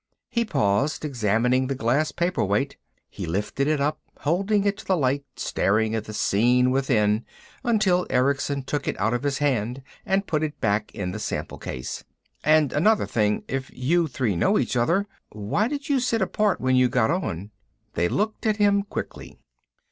He paused, examining the glass paperweight. He lifted it up, holding it to the light, staring at the scene within until Erickson took it out of his hand and put it back in the sample case. "And another thing. If you three know each other, why did you sit apart when you got on?" They looked at him quickly.